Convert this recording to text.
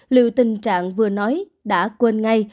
liệu tình trạng vừa nói đã quên ngay